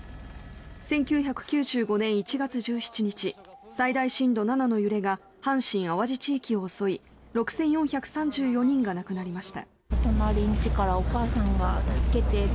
１９９５年１月１７日最大震度７の揺れが阪神・淡路地域を襲い６４３４人が亡くなりました。